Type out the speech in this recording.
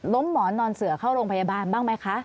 หมอนนอนเสือเข้าโรงพยาบาลบ้างไหมคะ